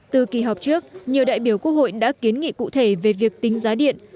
từ kỳ họp trước nhiều đại biểu quốc hội đã kiến nghị cụ thể về việc tính giá điện